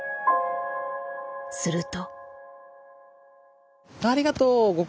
すると。